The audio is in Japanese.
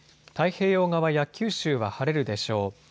太平洋側や九州は晴れるでしょう。